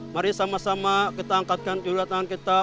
mari sama sama kita angkatkan t lead tangan kita